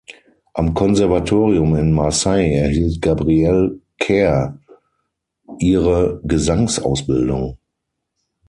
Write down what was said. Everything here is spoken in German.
Am Konservatorium in Marseille erhielt Gabrielle Caire ihre Gesangsausbildung.